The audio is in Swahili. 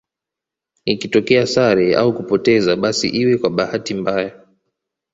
Ikitokea sare au kupoteza basi iwe kwa bahati mbaya